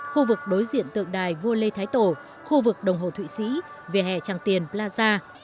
khu vực đối diện tượng đài vua lê thái tổ khu vực đồng hồ thụy sĩ về hè tràng tiền plaza